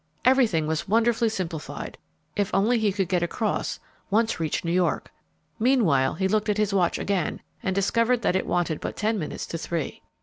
Everything was wonderfully simplified. If only he could get across, once reach New York! Meanwhile, he looked at his watch again and discovered that it wanted but ten minutes to three.